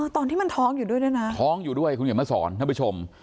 ตอนที่มันท้องอยู่ด้วยด้วยนะท้องอยู่ด้วยคุณเขียนมาสอนท่านผู้ชม